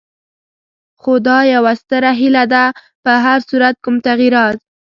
خو دا یوه ستره هیله ده، په هر صورت کوم تغیرات.